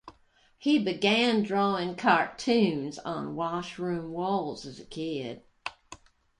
He began drawing cartoons on washroom walls as a kid.